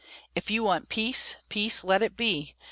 If you want peace, peace let it be!